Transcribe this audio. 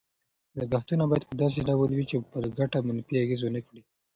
لګښتونه باید په داسې ډول وي چې پر ګټه منفي اغېز ونه کړي.